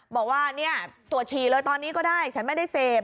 บอกว่าเนี่ยตรวจฉี่เลยตอนนี้ก็ได้ฉันไม่ได้เสพ